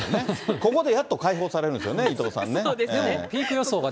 ここでやっと解放されるんですよね、伊藤さんね。